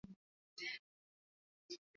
sasa unaathiri watu katika nchi zenye chumi za